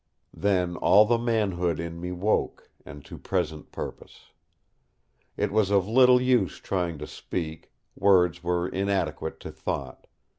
Then all the manhood in me woke, and to present purpose. It was of little use trying to speak; words were inadequate to thought.